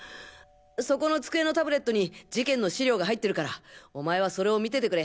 そこの机のタブレットに事件の資料が入ってるからお前はそれを見ててくれ！